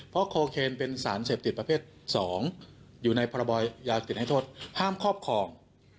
เพราะโคเคนเป็นสารเสพติดประเภท๒อยู่ในพรบอยยาติดให้โทษห้ามครอบครอง